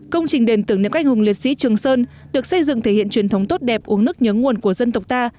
công trình đền tưởng niệm các anh hùng liệt sĩ trường sơn được xây dựng thể hiện truyền thống tốt đẹp uống nước nhớ nguồn của dân tộc ta